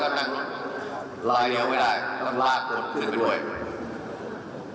อ่ะนายยกถามว่าถ้าใช้มาตรการเด็ดขาดประชาชนโอ้โหมันก็ไม่มีความคิดว่าจะต้องการแบบนี้